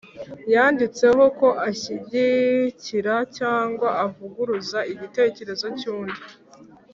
yanditseho ko ashyigikira cyangwa avuguruza igitekerezo cy’undi